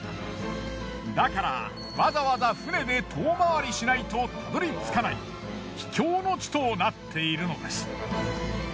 だからわざわざ船で遠回りしないとたどり着かない秘境の地となっているのです。